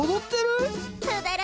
そうだろ？